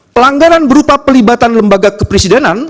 pelanggaran berupa pelibatan lembaga kepresidenan